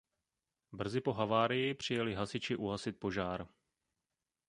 Brzy po havárii přijeli hasiči uhasit požár.